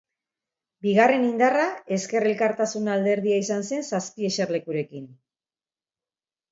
Bigarren indarra, Ezker Elkartasuna alderdia izan zen zazpi eserlekurekin.